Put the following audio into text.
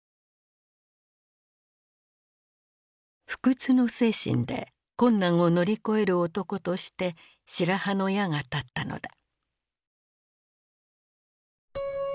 不屈の精神で困難を乗り越える男として白羽の矢が立ったのだ。